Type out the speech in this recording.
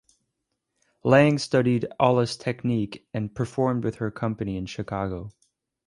Lang studied Allis technique and performed with her company in Chicago.